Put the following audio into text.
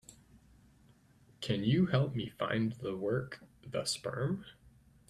Can you help me find the work, The Sperm?